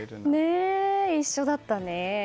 一緒だったね。